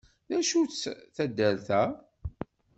D acu-tt taddart-a?